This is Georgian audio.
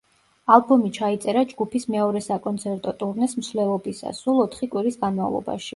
ალბომი ჩაიწერა ჯგუფის მეორე საკონცერტო ტურნეს მსვლელობისას, სულ ოთხი კვირის განმავლობაში.